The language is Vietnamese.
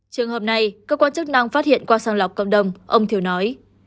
trường hợp này các quan chức đang phát hiện qua sàng lọc cộng đồng ông thiều nói